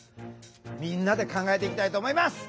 みんなで考えていきたいと思います。